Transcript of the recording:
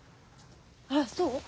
あっそう？